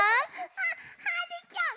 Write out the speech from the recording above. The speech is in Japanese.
あっはるちゃん！